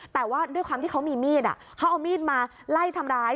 แต่ว่าด้วยความที่เขามีมีดเขาเอามีดมาไล่ทำร้าย